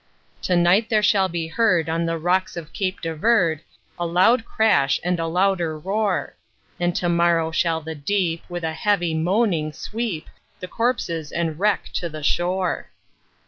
"To night there shall be heard on the rocks of Cape de Verde, A loud crash, and a louder roar; And to morrow shall the deep, with a heavy moaning, sweep The corpses and wreck to the shore."